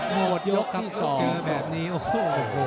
โหดยกที่๒แบบนี้โอ้โห